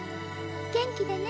元気でね。